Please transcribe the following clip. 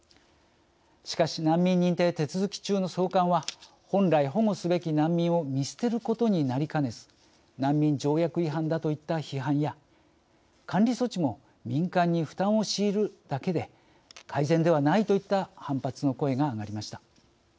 しかし難民認定手続き中の送還は本来保護すべき難民を見捨てることになりかねず難民条約違反だといった批判や監理措置も民間に負担を強いるだけで改善ではないといった反発の声が上がりました。